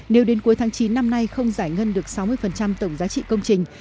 nếu đến cuối tháng chín năm nay không giải ngân được sáu mươi tổng giá trị công trình